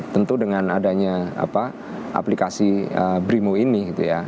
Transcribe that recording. tentu dengan adanya aplikasi brimo ini